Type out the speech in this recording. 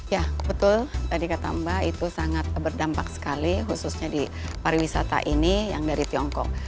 ya betul tadi kata mbak itu sangat berdampak sekali khususnya di pariwisata ini yang dari tiongkok